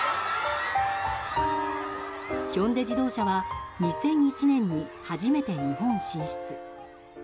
ヒョンデ自動車は２００１年に初めて日本進出。